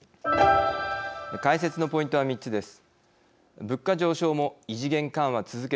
解説のポイントは３つです。